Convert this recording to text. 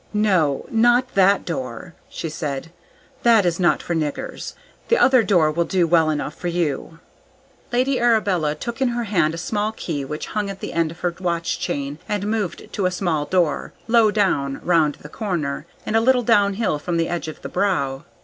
"No, not that door," she said; "that is not for niggers. The other door will do well enough for you!" Lady Arabella took in her hand a small key which hung at the end of her watch chain, and moved to a small door, low down, round the corner, and a little downhill from the edge of the Brow.